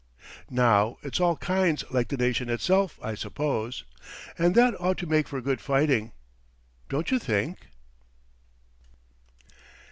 Now it's all kinds like the nation itself, I suppose. And that ought to make for good fighting, don't you think?"